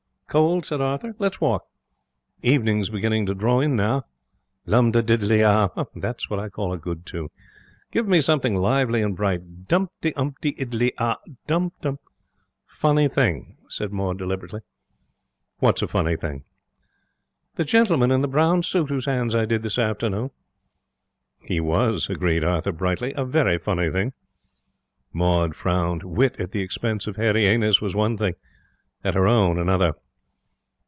'Cold?' said Arthur. 'Let's walk. Evenings beginning to draw in now. Lum da diddley ah. That's what I call a good tune. Give me something lively and bright. Dumty umpty iddley ah. Dum tum ' 'Funny thing ' said Maud, deliberately. 'What's a funny thing?' 'The gentleman in the brown suit whose hands I did this afternoon ' 'He was,' agreed Arthur, brightly. 'A very funny thing.' Maud frowned. Wit at the expense of Hairy Ainus was one thing at her own another.